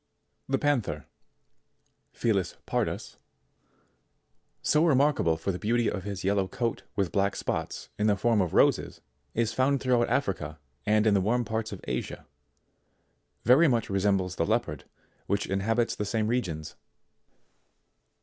76. The Panther, Mis Pardm so remarkable for the beauty of his yellow coat with black spots in the form of roses, is found throughout Africa and in the warm parts of Asia, very much re sembles the Leopard, which inhabits the same regions.